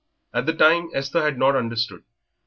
At the time Esther had not understood.